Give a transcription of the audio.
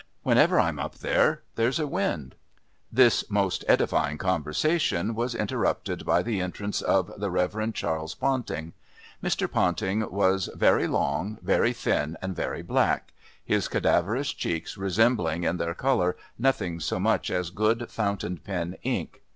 "Whenever I'm up there there's a wind." This most edifying conversation was interrupted by the entrance of the Reverend Charles Ponting. Mr. Ponting was very long, very thin and very black, his cadaverous cheeks resembling in their colour nothing so much as good fountain pen ink.